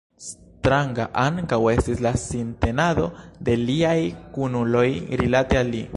Stranga ankaŭ estis la sintenado de liaj kunuloj rilate al li.